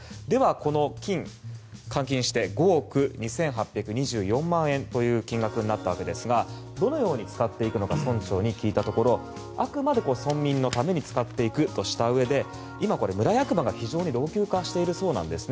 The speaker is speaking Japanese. この金、換金して５億２８２４万円という金額になったわけですがどのように使っていくのか村長に聞いたところあくまで村民のために使っていくとしたうえで今、村役場が非常に老朽化しているようなんですね。